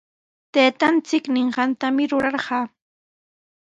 Taytanchik ninqantami rurayarqaa.